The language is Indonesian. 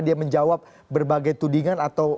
dia menjawab berbagai tudingan atau